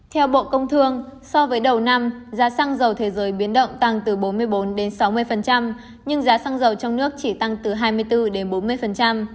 theo bộ công thương so với đầu năm giá xăng dầu thế giới biến động tăng từ bốn mươi bốn đến sáu mươi nhưng giá xăng dầu trong nước chỉ tăng từ hai mươi bốn đến bốn mươi